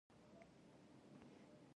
زما د ژوند ملګری کتاب دئ.